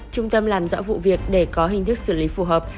trung tâm làm rõ vụ việc để có hình thức xử lý phù hợp